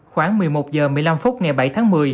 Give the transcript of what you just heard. khoảng một mươi một h một mươi năm phút ngày bảy tháng một mươi